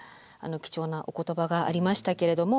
貴重なお言葉がありましたけれども。